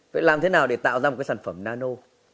vậy làm thế nào để tạo ra một cái sản phẩm nano